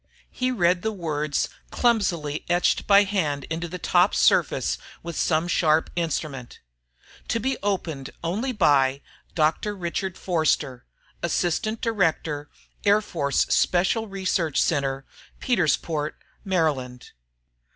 He read the words clumsily etched by hand into the top surface with some sharp instrument: TO BE OPENED ONLY BY: Dr. Richard Forster, Assistant Director, Air Force Special Research Center, Petersport, Md.